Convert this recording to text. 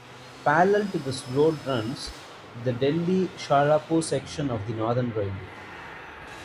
Parallel to this road runs the Delhi-Saharanpur section of the Northern Railway.